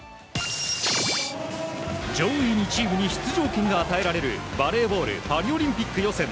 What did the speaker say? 上位２チームに出場権が与えられるバレーボールパリオリンピック予選。